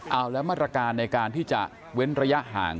เอาแล้วมาตรการในการที่จะเว้นระยะห่าง